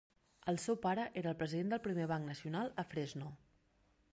El seu pare era el president del primer banc nacional a Fresno.